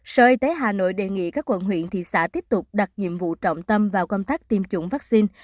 sở y tế hà nội đề nghị các quận huyện thị xã tiếp tục đặt nhiệm vụ trọng tâm vào công tác tiêm chủng vaccine